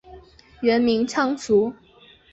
原名昌枢。